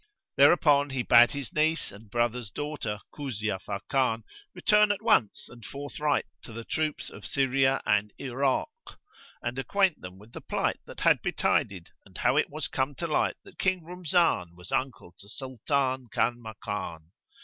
Thereupon he bade his niece and brother's daughter, Kuzia Fakan, return at once and forthright to the troops of Syria and Irak and acquaint them with the plight that had betided and how it was come to light that King Rumzan was uncle to Sultan Kanmakan.